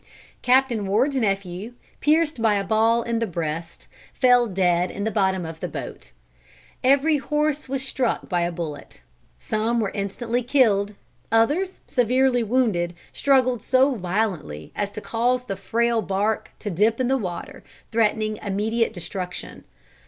Captain Ward's nephew, pierced by a ball in the breast, fell dead in the bottom of the boat. Every horse was struck by a bullet. Some were instantly killed; others, severely wounded, struggled so violently as to cause the frail bark to dip water, threatening immediate destruction.